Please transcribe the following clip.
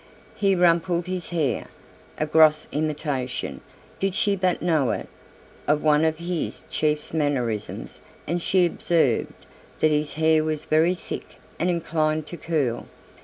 He rumpled his hair, a gross imitation, did she but know it, of one of his chief's mannerisms and she observed that his hair was very thick and inclined to curl.